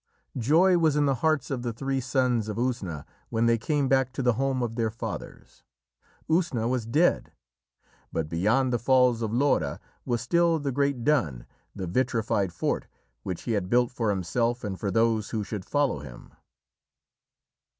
Joy was in the hearts of the three Sons of Usna when they came back to the home of their fathers. Usna was dead, but beyond the Falls of Lora was still the great dun the vitrified fort which he had built for himself and for those who should follow him.